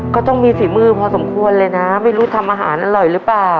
ก็ต้องมีฝีมือพอสมควรเลยนะไม่รู้ทำอาหารอร่อยหรือเปล่า